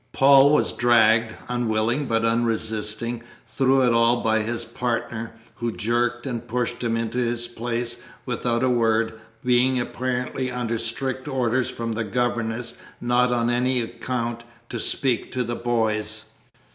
Paul was dragged, unwilling but unresisting, through it all by his partner, who jerked and pushed him into his place without a word, being apparently under strict orders from the governess not on any account to speak to the boys.